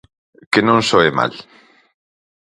Que non soe mal.